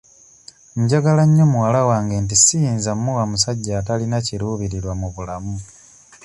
Njagala nnyo muwala wange nti siyinza mmuwa musajja atalina kiruubiriwa mu bulamu.